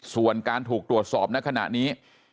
ส่วนการถูกตรวจสอบในขณะนี้